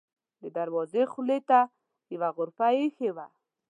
د دروازې خولې ته یوه غرفه اېښې وه.